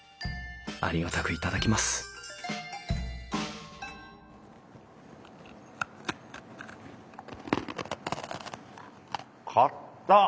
ありがたく頂きますかたっ！